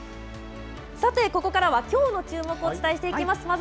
さて、ここからはきょうの注目をお伝えしていきます。